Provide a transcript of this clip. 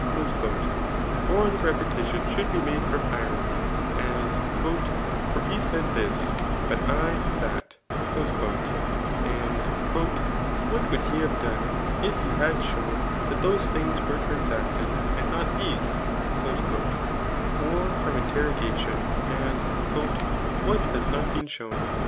^' Or the repetition should be made from irony ; as, ^* For he said tkis^ but I that; and, << What would he have done, if he had shown that those things were transacted, and not these?'' Or from interrogation; as, "What has not been shown